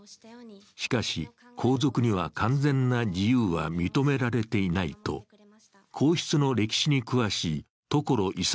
しかし、皇族には完全な自由は認められていないと皇室の歴史に詳しい所功